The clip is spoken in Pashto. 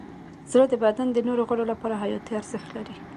زړه د بدن د نورو غړو لپاره حیاتي ارزښت لري.